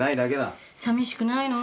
さみしくないの？